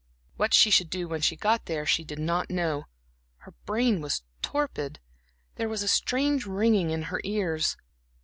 What she should do when she got there she did not know; her brain was torpid, there was a strange ringing in her ears.